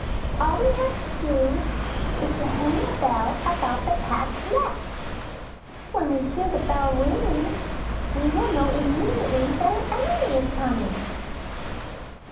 All we have to do is to hang a bell about the Cat's neck. When we hear the bell ringing we will know immediately that our enemy is coming."